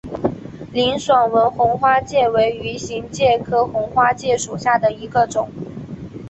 林爽文红花介为鱼形介科红花介属下的一个种。